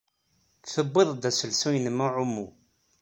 Tewwid-d aselsu-nnem n uɛumu?